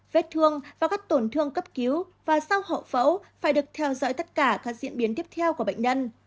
vết thương và các tổn thương cấp cứu và sau hậu phẫu phải được theo dõi tất cả các diễn biến tiếp theo của bệnh nhân